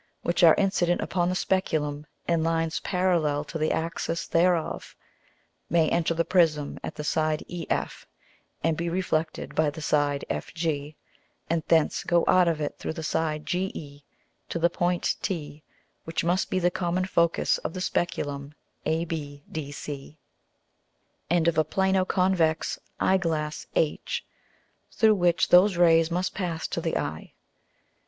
which are incident upon the Speculum in Lines parallel to the Axis thereof, may enter the Prism at the side EF, and be reflected by the side FG, and thence go out of it through the side GE, to the Point T, which must be the common Focus of the Speculum ABDC, and of a Plano convex Eye glass H, through which those Rays must pass to the Eye.